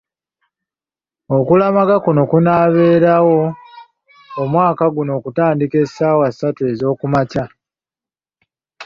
Okulamaga kuno okunaabeerawo omwaka guno okutandika ssaawa ssatu ez’okumakya.